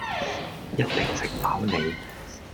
一定食飽你